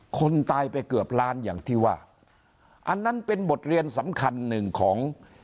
คนตายไปเกือบล้านอย่างที่ว่าอันนั้นเป็นบทเรียนสำคัญหนึ่งของ